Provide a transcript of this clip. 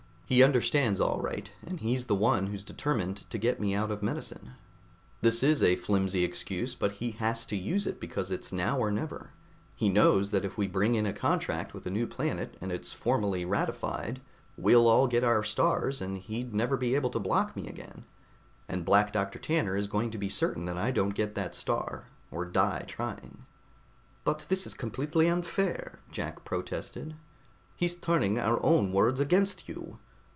"He understands, all right, and he's the one who's determined to get me out of medicine. This is a flimsy excuse, but he has to use it, because it's now or never. He knows that if we bring in a contract with a new planet, and it's formally ratified, we'll all get our Stars and he'd never be able to block me again. And Black Doctor Tanner is going to be certain that I don't get that Star, or die trying." "But this is completely unfair," Jack protested. "He's turning our own words against you!